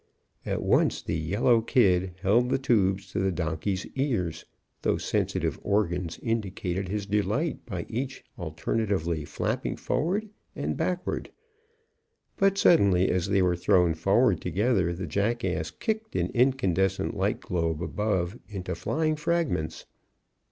At once the "yellow kid" held the tubes to the donkey's ears; those sensitive organs indicated his delight by each alternatively flapping forward and backward; but, suddenly, as they were thrown forward together, the jackass kicked an incandescent light globe above into flying fragments.